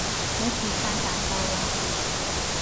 你遲哂大到啊